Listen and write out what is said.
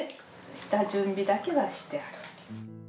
下準備だけはしてある。